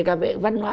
cả về văn hóa